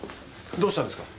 どうしたんですか？